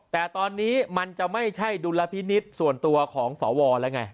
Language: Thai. แต่ตอนนี้มันจะไม่ใช่ดุลพินิษฐ์ส่วนตัวของสวแล้วไง